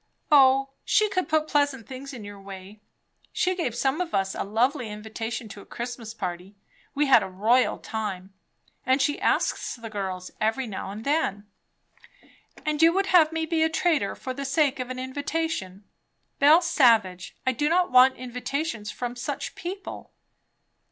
"O she could put pleasant things in your way. She gave some of us a lovely invitation to a Christmas party; we had a royal time; and she asks the girls every now and then." "And you would have me be a traitor for the sake of an invitation? Bell Savage, I do not want invitations from such people."